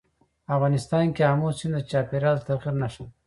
افغانستان کې آمو سیند د چاپېریال د تغیر نښه ده.